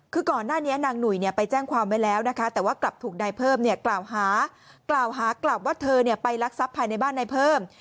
คือก่อนหน้านี้นางหนุ่ยไปแจ้งความไว้แล้วนะคะแต่ว่ากลับถูกนายเพิ่มเนี่ยกล่าวหากลับว่าเธอไปรักทรัพย์ภายในบ้านนายเพิ่ม